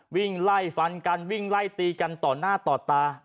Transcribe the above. วิ่งไล่ฟันกันวิ่งไล่ตีกันต่อหน้าต่อตา